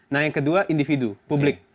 nah yang kedua individu publik